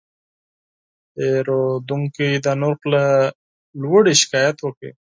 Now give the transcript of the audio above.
پیرودونکی د نرخ له لوړې شکایت وکړ.